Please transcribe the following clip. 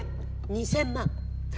２，０００万。